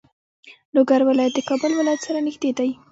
لوګر ولایت د کابل ولایت سره نږدې دی.